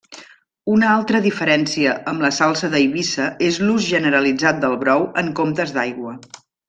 Una altra diferència amb la salsa d'Eivissa és l'ús generalitzat del brou en comptes d'aigua.